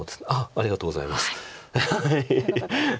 ありがとうございます。